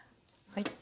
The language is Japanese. はい。